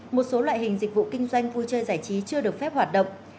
một số loại hình dịch vụ kinh doanh vui chơi giải trí chưa được phép hoạt động